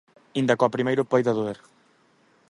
Aínda que, ao primeiro, poida doer.